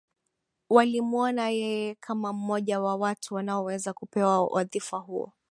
Walimwona yeye kama mmoja wa watu wanaoweza kupewa wadhifa huo